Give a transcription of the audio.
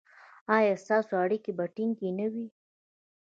ایا ستاسو اړیکې به ټینګې نه وي؟